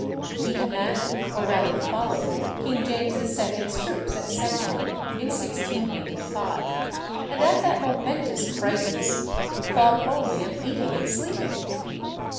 He commanded, or rather followed, King James II.'s troops at Sedgemoor, in 1685, and at that momentous crisis "thought only of eating and sleeping."